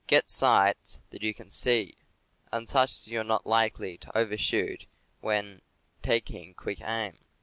Get sights that you can see, and such as you are not likely to overshoot with when taking quick aim.